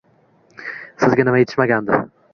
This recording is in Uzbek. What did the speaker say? sizga nima etishmagandi